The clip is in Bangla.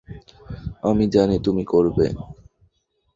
আমি জানি তুমি করবে।